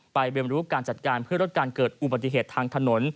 ไปเรียนรู้การจัดการเพื่อลดการเกิดอุบัติเหตุทางถนน